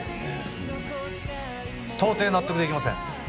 うん到底納得できません